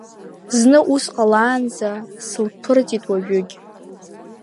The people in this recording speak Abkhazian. Зны ус ҟалаанӡа сылԥырҵит, уажәыгь…